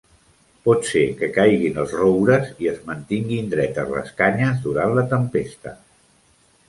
Pot ser que caiguin els roures i es mantinguin dretes les canyes durant la tempesta.